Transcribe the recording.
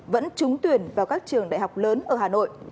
vẫn trúng tuyển vào các trường đại học lớn ở hà nội